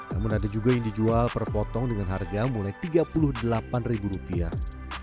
namun ada juga yang dijual per potong dengan harga mulai tiga puluh delapan ribu rupiah